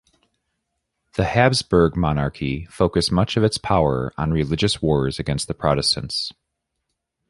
The Habsburg Monarchy focused much of its power on religious wars against the Protestants.